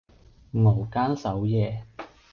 熬更守夜